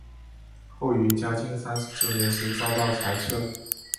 后于嘉靖三十九年时遭到裁撤。